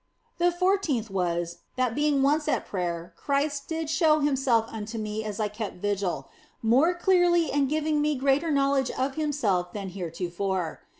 The fourteenth was, that being once at prayer, Christ did show Himself unto me as I kept vigil, more clearly and giving me greater knowledge of Himself than heretofore.